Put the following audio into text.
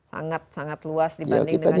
sangat sangat luas dibandingkan